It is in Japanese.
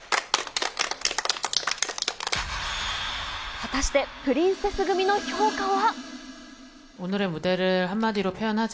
果たしてプリンセス組の評価は。